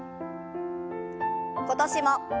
今年も。